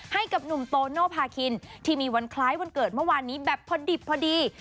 ให้กับหนุ่มโตโนภาคินที่มีวันคล้ายวันเกิดเมื่อวานนี้แบบพอดิบพอดี